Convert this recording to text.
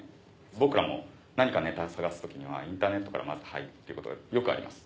僕らも何かネタを探す時にはインターネットからまず入って行くということがよくあります。